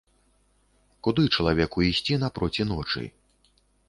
Куды чалавеку ісці напроці ночы.